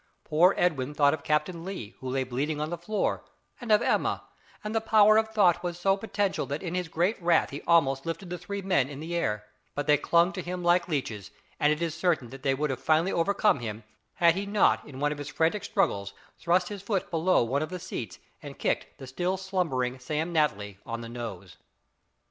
Poor Edwin thought of Captain Lee, who lay bleeding on the floor, and of Emma, and the power of thought was so potential that in his great wrath he almost lifted the three men in the air; but they clung to him like leeches, and it is certain that they would have finally overcome him, had he not in one of his frantic struggles thrust his foot below one of the seats and kicked the still slumbering Sam Natly on the nose!